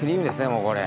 もうこれ。